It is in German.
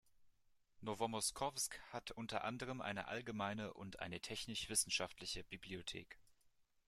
Nowomoskowsk hat unter anderem eine allgemeine und eine technisch-wissenschaftliche Bibliothek.